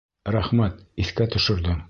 Рәхмәт, иҫкә төшөрҙөң!